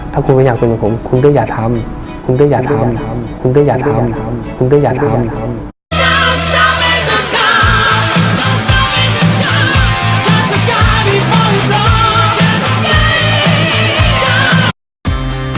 ถ้าคุณก็อยากเป็นแบบผมคุณก็อย่าทำ